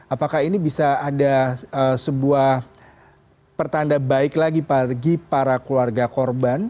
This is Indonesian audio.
apakah ini bisa ada sebuah pertanda baik lagi bagi para keluarga korban